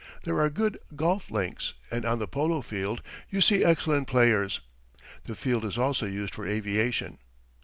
There are good golf links, and on the polo field you see excellent players; the field is also used for aviation.